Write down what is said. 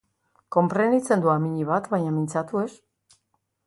Konprenitzen du amiñi bat, baina mintzatu, ez.